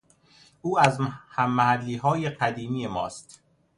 او از هممحلیهای قدیمی ماست